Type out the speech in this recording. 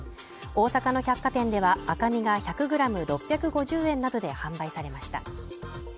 大阪の百貨店では赤身が１００グラム６５０円などで販売されました